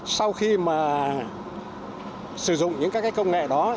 sau khi mà sử dụng những công nghệ đó